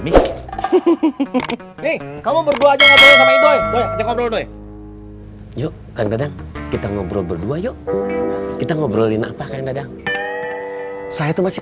mikir kamu berdua aja ngobrol sama itu yuk kita ngobrol berdua yuk kita ngobrolin apa saya itu masih